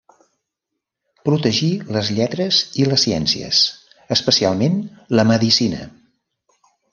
Protegí les lletres i les ciències, especialment la medicina.